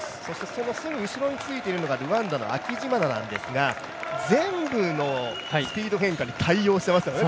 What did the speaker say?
そのすぐ後ろについてるのがルワンダの選手なんですが、全部のスピード変化に対応していますよね